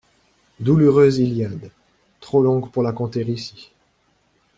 Douloureuse Iliade ! trop longue pour la conter ici.